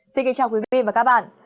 xin kính chào quý vị và các bạn